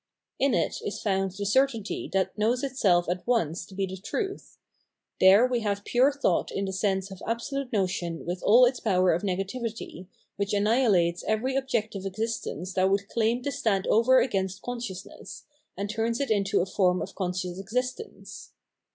In it is found the certainty that knows itself at once to be the truth ; there we have pure thought in the sense of absolute notion with all its power of negativity, which annihilates every objective existence that would claim to stand over against consciousness, and turns it into a form of conscious existence.